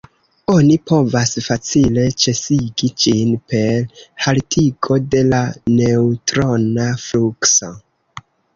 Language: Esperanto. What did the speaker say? Oni povas facile ĉesigi ĝin per haltigo de la neŭtrona flukso.